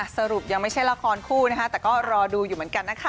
สรุปยังไม่ใช่ละครคู่นะคะแต่ก็รอดูอยู่เหมือนกันนะคะ